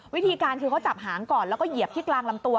วิธีการคือเขาจับหางก่อนแล้วก็เหยียบที่กลางลำตัว